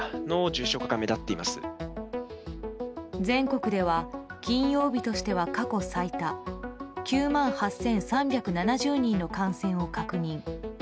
全国では金曜日としては過去最多９万８３７０人の感染を確認。